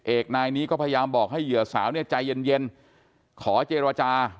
เอกนายนี้ก็พยายามบอกให้เหยื่อสาวเนี่ยใจเย็นขอเจรจา